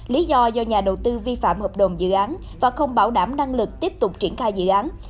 lý do do nhà đầu tư vi phạm hợp đồng dự án và không bảo đảm năng lực tiếp tục triển khai dự án